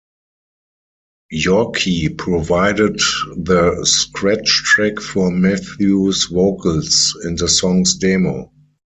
Yorkie provided the scratch-track for Matthews' vocals in the song's demo.